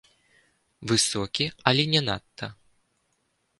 Высокі, але не надта.